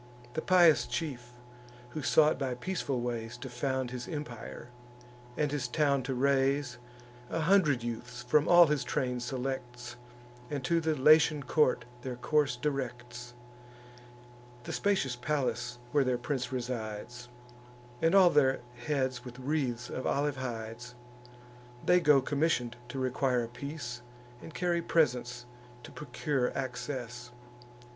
The pious chief, who sought by peaceful ways To found his empire, and his town to raise, A hundred youths from all his train selects, And to the Latian court their course directs, (The spacious palace where their prince resides,) And all their heads with wreaths of olive hides. They go commission'd to require a peace, And carry presents to procure access.